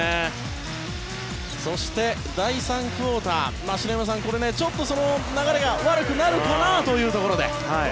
そして、第３クオーター篠山さん、ここも流れが悪くなるかなというところで。